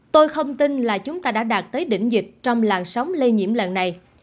tôi không tin là chúng ta đã đạt tới đỉnh dịch trong làn sóng lây nhiễm lần này